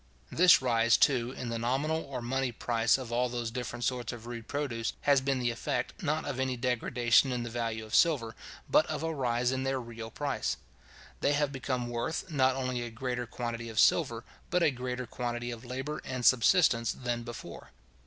This rise, too, in the nominal or money price of all those different sorts of rude produce, has been the effect, not of any degradation in the value of silver, but of a rise in their real price. They have become worth, not only a greater quantity of silver, but a greater quantity of labour and subsistence than before.